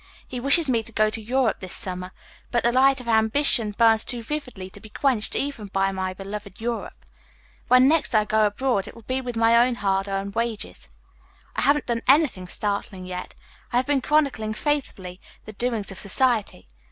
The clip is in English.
He wished me to go to Europe this summer, but the light of ambition burns too vividly to be quenched even by my beloved Europe. When next I go abroad it will be with my own hard earned wages. "I haven't done anything startling yet; I have been chronicling faithfully the doings of society.